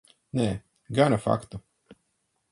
Nē, gana faktu.